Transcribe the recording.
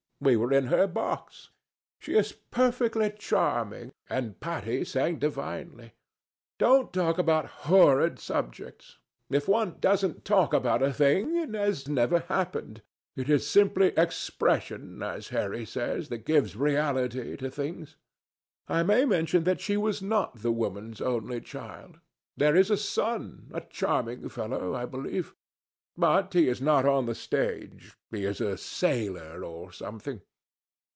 We were in her box. She is perfectly charming; and Patti sang divinely. Don't talk about horrid subjects. If one doesn't talk about a thing, it has never happened. It is simply expression, as Harry says, that gives reality to things. I may mention that she was not the woman's only child. There is a son, a charming fellow, I believe. But he is not on the stage. He is a sailor, or something.